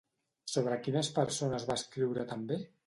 Sobre quines persones va escriure també?